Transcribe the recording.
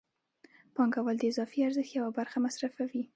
پانګوال د اضافي ارزښت یوه برخه مصرفوي